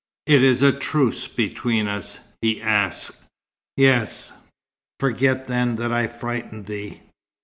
"It is a truce between us?" he asked. "Yes." "Forget, then, that I frightened thee."